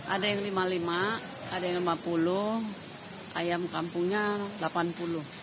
ada yang rp lima puluh lima ada yang rp lima puluh ayam kampungnya rp delapan puluh